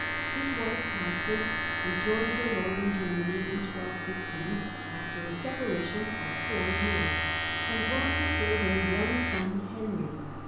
His wife Constance rejoined her lord in Germany in 1216 after a separation of four years, and brought with her their young son Henry.